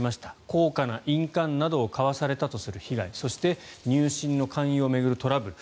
高価な印鑑などを買わされたとする被害そして入信の勧誘を巡るトラブル。